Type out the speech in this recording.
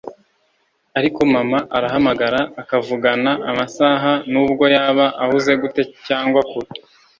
ariko mama arahamagara akavugana amasaha, nubwo yaba ahuze gute cyangwa kure